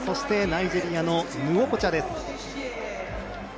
ナイジェリアのヌウォコチャです。